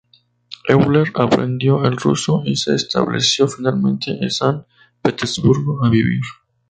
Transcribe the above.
Euler aprendió el ruso y se estableció finalmente en San Petersburgo a vivir.